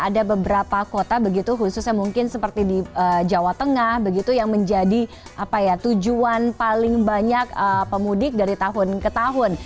ada beberapa kota begitu khususnya mungkin seperti di jawa tengah begitu yang menjadi tujuan paling banyak pemudik dari tahun ke tahun